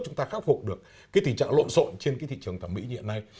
chúng ta khắc phục được tình trạng lộn xộn trên thị trường thẩm mỹ hiện nay